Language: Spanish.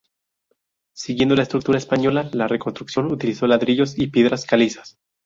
Siguiendo la estructura española, la reconstrucción utilizó ladrillos y piedras calizas.